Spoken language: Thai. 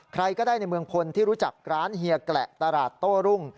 ใครก็ได้ในเมืองพลที่รู้จักร้านเฮียแกละตลาดโต้รุ่ง